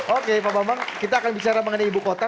oke pak bambang kita akan bicara mengenai ibu kota